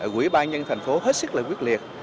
quỹ ban nhân thành phố hết sức là quyết liệt